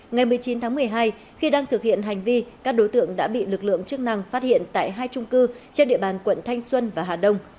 ngày một mươi chín tháng một mươi hai khi đang thực hiện hành vi các đối tượng đã bị lực lượng chức năng phát hiện tại hai trung cư trên địa bàn quận thanh xuân và hà đông